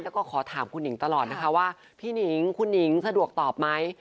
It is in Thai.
แล้วก็ขอถามคุณหิงตลอดนะคะว่าพี่หนิงคุณหนิงสะดวกตอบไหม